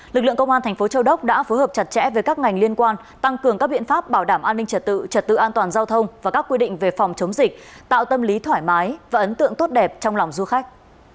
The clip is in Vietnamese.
lực lượng công an thành phố châu đốc đã phối hợp chặt chẽ với các ngành liên quan tăng cường các biện pháp bảo đảm an ninh trật tự trật tự an toàn giao thông và các quy định về phòng chống dịch tạo tâm lý thoải mái và ấn tượng tốt đẹp trong lòng du khách